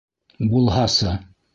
Булһасы!